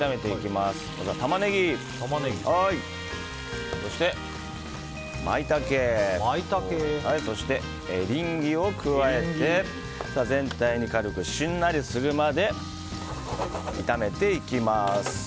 まずはタマネギそして、マイタケそして、エリンギを加えて全体に軽くしんなりするまで炒めていきます。